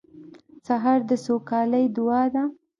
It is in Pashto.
سهار د سوکالۍ دعا ده.